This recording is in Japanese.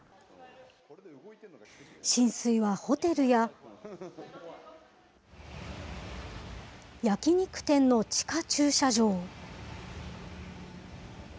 浸水はホテルや、焼き肉店の地下駐車場。